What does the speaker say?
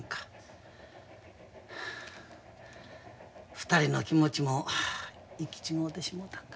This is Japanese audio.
２人の気持ちも行き違うてしもうたんか。